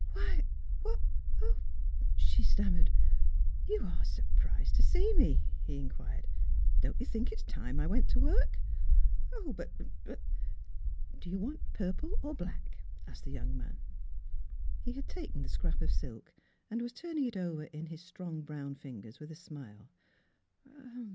"Why — why! What —" she stam mered. " You are surprised to see me? " he in quired. " Don't you think it's time I went to work? "" But — but —"" Do you want purple or black? " asked the young man ; he had taken the scrap of silk and was turning it over in his strong brown fingers with a smile.